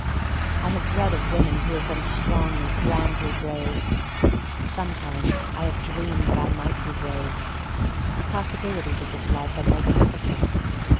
I have read of women who have been strongly, grandly brave. Sometimes I have dreamed that I might be brave. The possibilities of this life are magnifi cent.